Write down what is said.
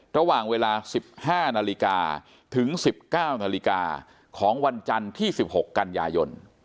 ระหว่างเวลา๑๕นาฬิกาถึง๑๙นาฬิกาของวันจันทร์ที่๑๖กันยายน